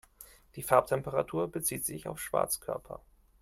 Die Farbtemperatur bezieht sich auf Schwarzkörper.